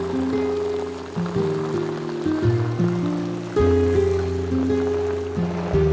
lo sengaja sengaja lewat ke sini ya